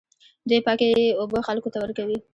دوی پاکې اوبه خلکو ته ورکوي.